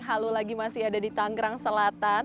halo lagi masih ada di tanggerang selatan